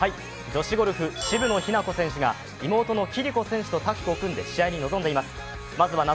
女子ゴルフ、渋野日向子選手が妹の暉璃子選手とタッグを組んで試合に臨んでいます。